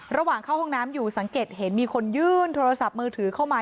ระหว่างเข้าห้องน้ำอยู่สังเกตเห็นมีคนยื่นโทรศัพท์มือถือเข้ามา